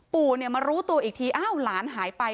ปู่มารู้ตัวอีกทีอ้าวหลานหายไป